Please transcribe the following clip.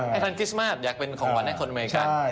ให้ทันคริสต์มาทอยากเป็นของวันให้คนอเมริกา